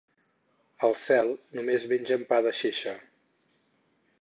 Al cel només mengen pa de xeixa.